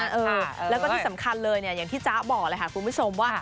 เดี๋ยวที่สำคัญเลยเนี่ยยังที่จ๊าบอกเลยคุณผู้ชมว่า